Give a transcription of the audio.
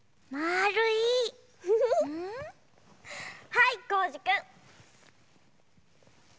はいこーじくん。